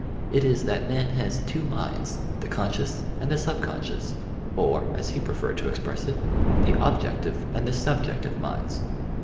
It is that man has "two minds," the conscious and the subconscious; or, as he preferred to express it, the "objective" and the "subjective'" minds.